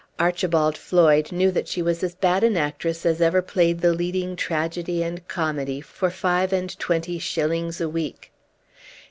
Archibald Floyd knew that she was as bad an actress as ever played the leading tragedy and comedy for five and twenty shillings a week.